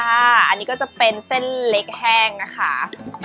อันนี้ก็จะเป็นเส้นเล็กแห้งนะคะ